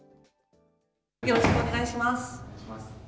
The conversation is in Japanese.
よろしくお願いします。